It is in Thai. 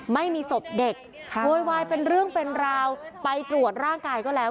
ไม่มีศพเด็กโวยวายเป็นเรื่องเป็นราวไปตรวจร่างกายก็แล้ว